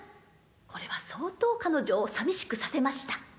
これは相当彼女をさみしくさせました。